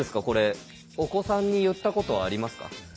これお子さんに言ったことありますか？